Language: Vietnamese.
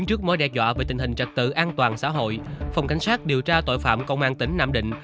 trình hình trật tự an toàn xã hội phòng cảnh sát điều tra tội phạm công an tỉnh nam định